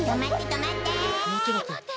「とまって」だって！